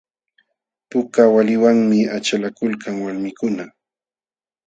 Puka waliwanmi achalakulkan walmikuna.